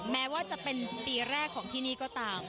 แม้ว่าจะเป็นปีแรกของที่นี่ก็ตาม